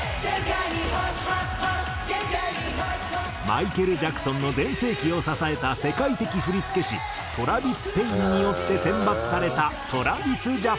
マイケル・ジャクソンの全盛期を支えた世界的振付師トラヴィス・ペインによって選抜されたＴｒａｖｉｓＪａｐａｎ。